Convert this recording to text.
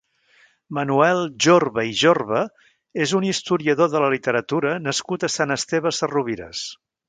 Manuel Jorba i Jorba és un historiador de la literatura nascut a Sant Esteve Sesrovires.